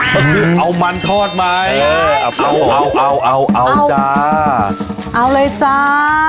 ก็คือเอามันทอดไหมเออเอาเอาเอาเอาเอาเอาเลยจ้า